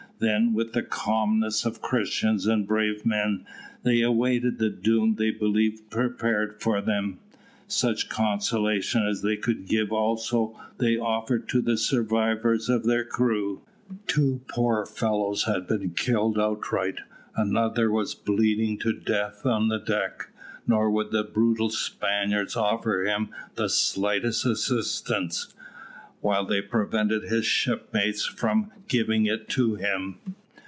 Then, with the calmness of Christians and brave men, they awaited the doom they believed prepared for them. Such consolation as they could give also they offered to the survivors of their crew. Two poor fellows had been killed outright; another was bleeding to death on the deck, nor would the brutal Spaniards offer him the slightest assistance, while they prevented his shipmates from giving it him.